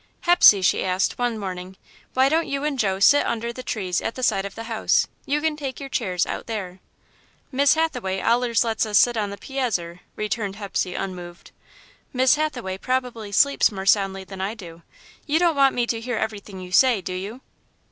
"Hepsey," she asked, one morning, "why don't you and Joe sit under the trees at the side of the house? You can take your chairs out there." "Miss Hathaway allerss let us set on the piazzer," returned Hepsey, unmoved. "Miss Hathaway probably sleeps more soundly than I do. You don't want me to hear everything you say, do you?"